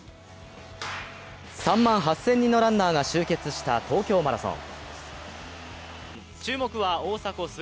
３万８０００人のランナーが集結した東京マラソン。